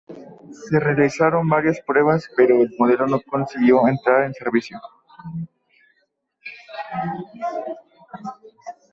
Se realizaron varias pruebas, pero el modelo no consiguió entrar en servicio.